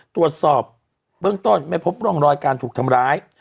ตรวจสอบเบื้องต้นไม่พบร่องรอยการถูกทำร้าย